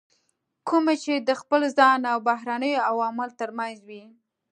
کومې چې د خپل ځان او بهرنیو عواملو ترمنځ وي.